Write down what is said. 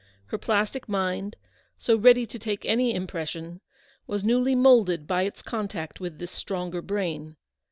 Her plastic mind, so ready to take any impression, was newly moulded by its contact with this stronger brain.